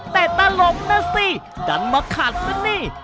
แต่ตลกนะสิดันมาขัดซะนี่